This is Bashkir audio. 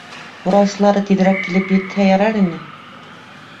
Ҡурайсылары тиҙерәк килеп етһә ярар ине.